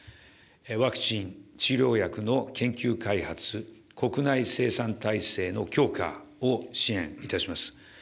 ワクチン、治療薬の研究・開発、国内生産体制の強化を支援いたします。